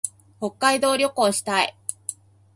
北海道旅行したい。